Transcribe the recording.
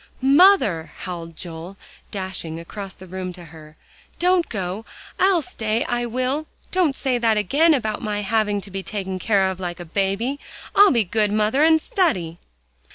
"Mother," howled Joel, dashing across the room to her, "don't go! I'll stay, I will. Don't say that again, about my having to be taken care of like a baby. I'll be good, mother, and study."